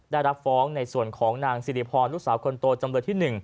ได้รับฟ้องในส่วนของนางสิริพรลูกสาวคนโตจำเลยที่๑